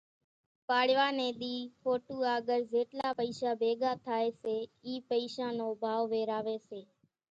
پاڙِوا ني ۮي ڦوٽُو آڳرِ زيٽلا پئيشا ڀيڳا ٿائي سي اِي پئيشان نو ڀائو ويراوي سي